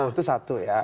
itu satu ya